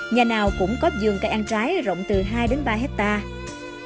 nhà nào cũng có giường cây ăn trái rộng từ hai đến ba hectare